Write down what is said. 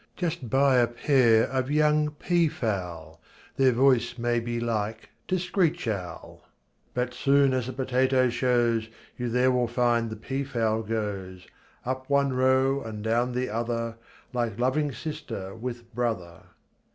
Just buy a pair of young peafowl, Their voice may be like to screech owl, But soon as the potato shows You there will find the peafowl goes, Up one row and down the other Like loving sister with brother.